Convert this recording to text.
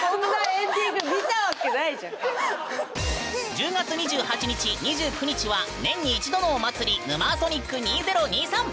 １０月２８日２９日は年に一度のお祭り「ヌマーソニック２０２３」！